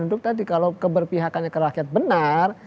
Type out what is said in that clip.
untuk tadi kalau keberpihakannya ke rakyat benar